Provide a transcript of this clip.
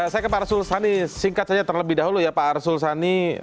baik saya ke pak rasul sani singkat saja terlebih dahulu ya pak rasul sani